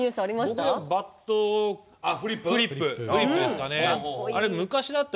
バットフリップですね。